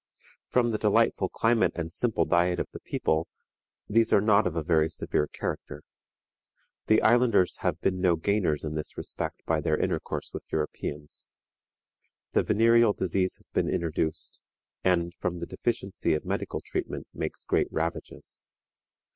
From the delightful climate and simple diet of the people, these are not of a very severe character. The islanders have been no gainers in this respect by their intercourse with Europeans. The venereal disease has been introduced, and, from the deficiency of medical treatment, makes great ravages.